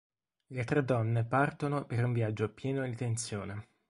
Le tre donne partono per un viaggio pieno di tensione.